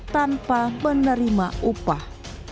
tanpa menerima upah